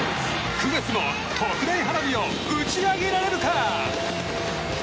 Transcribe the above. ９月は特大花火を打ち上げられるか？